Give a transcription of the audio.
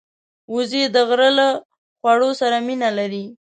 وزې د غره له خواړو سره مینه لري